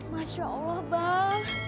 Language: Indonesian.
masya allah bang